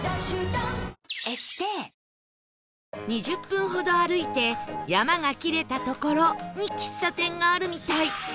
２０分ほど歩いて山が切れた所に喫茶店があるみたい